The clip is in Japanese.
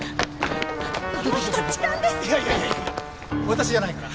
私じゃないから。